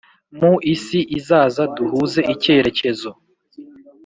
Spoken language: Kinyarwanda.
Mu isi izaza duhuze icyerekezo